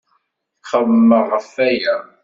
Xemmemeɣ ɣef waya.